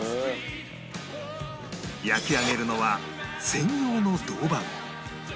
焼き上げるのは専用の銅板